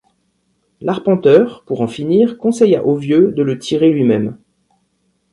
L’arpenteur, pour en finir, conseilla au vieux de le tirer lui-même.